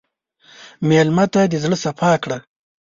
مېلمه ته د زړه صفا کړه.